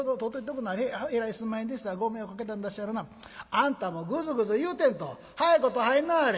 あんたもぐずぐず言うてんと早いこと入んなはれ」。